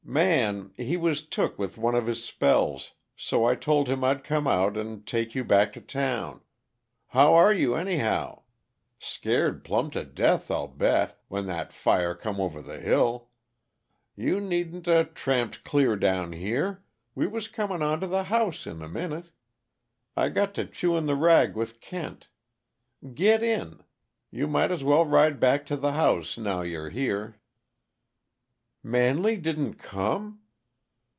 Man, he was took with one of his spells, so I told him I'd come on out and take you back to town. How are you, anyhow? Scared plumb to death, I'll bet, when that fire come over the hill. You needn't 'a' tramped clear down here we was coming on to the house in a minute. I got to chewin' the rag with Kent. Git in; you might as well ride back to the house, now you're here." "Manley didn't come?"